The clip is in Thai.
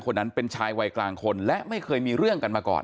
คนนั้นเป็นชายวัยกลางคนและไม่เคยมีเรื่องกันมาก่อน